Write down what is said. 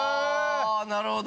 なるほど。